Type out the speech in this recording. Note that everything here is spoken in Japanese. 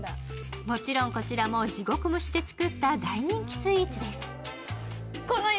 もちろんこちらも地獄蒸しで作った大人気スイーツです。